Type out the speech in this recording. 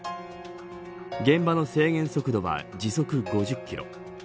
現場の制限速度は時速５０キロ。